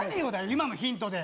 今のヒントで。